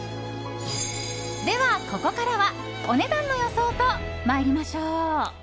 では、ここからはお値段の予想と参りましょう。